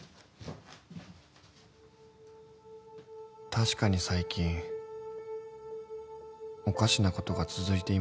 ［確かに最近おかしなことが続いていました］